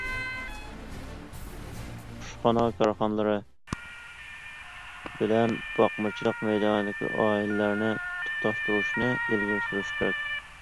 قۇشخانا كارخانىلىرى بىلەن باقمىچىلىق مەيدانىدىكى ئائىلىلەرنى تۇتاشتۇرۇشنى ئىلگىرى سۈرۈش كېرەك.